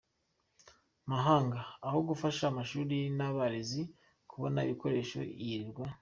mahanga; aho gufasha amashuri n’abarezi kubona ibikoresho, yirirwa